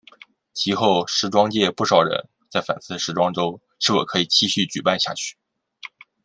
及后时装界不少人在反思时装周是否可以继续举办下去。